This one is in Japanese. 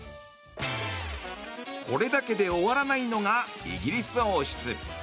これだけで終わらないのがイギリス王室。